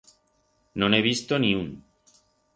No n'he visto ni un.